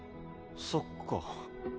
そっか。